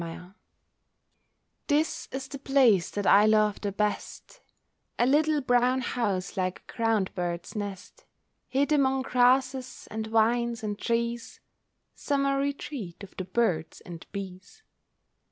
MY HOME This is the place that I love the best, A little brown house like a ground bird's nest, Hid among grasses, and vines, and trees, Summer retreat of the birds and bees.